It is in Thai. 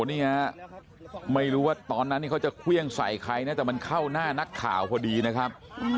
นี่ฮะไม่รู้ว่าตอนนั้นเขาจะเครื่องใส่ใครนะแต่มันเข้าหน้านักข่าวพอดีนะครับ